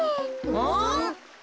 うん？